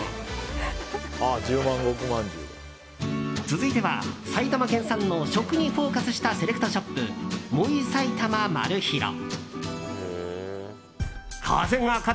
続いては、埼玉県産の食にフォーカスしたセレクトショップモイサイタママルヒロ。